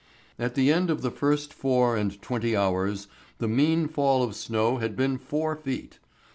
At the end of the first four and twenty hours the mean fall of snow had been four feet.